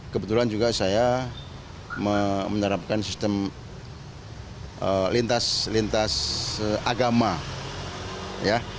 kebetulan juga saya menerapkan sistem lintas lintas agama ya